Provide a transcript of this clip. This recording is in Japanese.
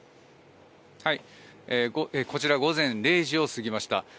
こちら午前０時を過ぎました。